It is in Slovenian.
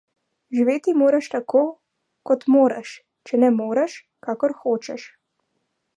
Živeti moraš tako, kot moreš, če ne moreš, kakor hočeš.